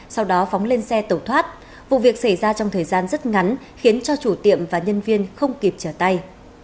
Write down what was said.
sau đó phóng lên xe tẩu thoát vụ việc xảy ra trong thời gian rất ngắn khiến cho chủ tiệm và nhân viên không kịp trở tay